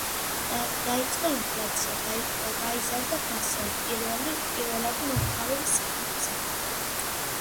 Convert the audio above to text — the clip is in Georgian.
დაიწყო ინფლაცია, გაიზარდა ფასები პირველადი მოხმარების საგნებზე.